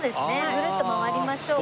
ぐるっと回りましょうか。